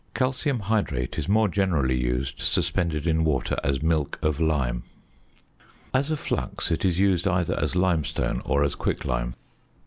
Calcium hydrate is more generally used suspended in water as "milk of lime." As a flux it is used either as limestone or as quicklime.